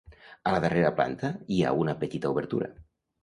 A la darrera planta hi ha una petita obertura.